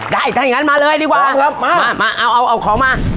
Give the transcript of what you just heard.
ได้ถ้าอย่างงั้นมาเลยดีกว่าพร้อมครับมามาเอาเอาเอาของมา